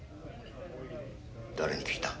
誰に聞いた？